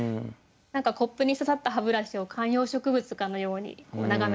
コップにささった歯ブラシを観葉植物かのように眺めてる感じ。